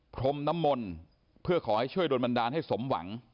พรมน้ำมนต์เพื่อขอให้ช่วยโดนบันดาลให้สมหวัง